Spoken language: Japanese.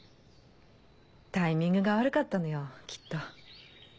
タイミングが悪かったのよきっと。